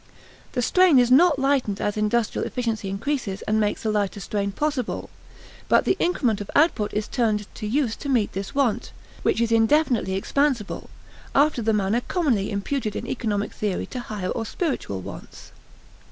The strain is not lightened as industrial efficiency increases and makes a lighter strain possible, but the increment of output is turned to use to meet this want, which is indefinitely expansible, after the manner commonly imputed in economic theory to higher or spiritual wants.